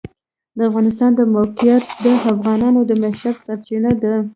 د افغانستان د موقعیت د افغانانو د معیشت سرچینه ده.